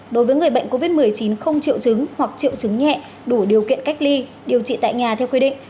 đối với người bệnh covid một mươi chín không triệu chứng hoặc triệu chứng nhẹ đủ điều kiện cách ly điều trị tại nhà theo quy định